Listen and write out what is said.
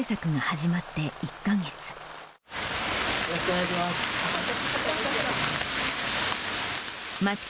よろしくお願いします。